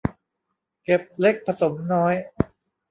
เก็บเล็กผสมน้อย